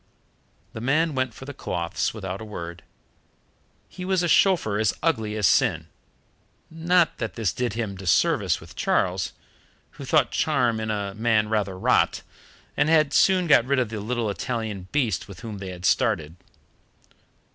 The man went for the cloths without a word. He was a chauffeur as ugly as sin not that this did him disservice with Charles, who thought charm in a man rather rot, and had soon got rid of the little Italian beast with whom they had started.